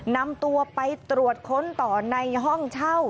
นำตัวไปตรวจค้นต่อในห้องเช่า